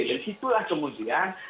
dari situlah kemudian